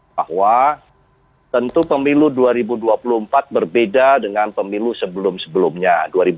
bahwa tentu pemilu dua ribu dua puluh empat berbeda dengan pemilu sebelum sebelumnya